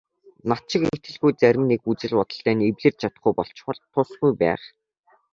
Над шиг итгэлгүй зарим нэг үзэл бодолтой нь эвлэрч чадахгүй болчихвол тусгүй байх.